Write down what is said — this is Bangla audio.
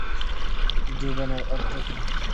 জীবনের অর্থ কী?